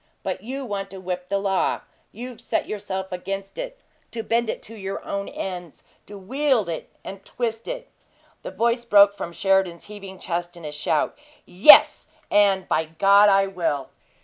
But you want to whip the law you've set yourself against it, to bend it to your own ends, to wield it and twist it " The voice broke from Sheridan's heaving chest in a shout. "Yes! And by God, I will!"